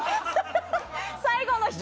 最後の１人。